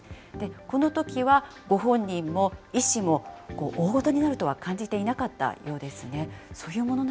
このときはご本人も医師も、おおごとになるとは感じていなかったようですね。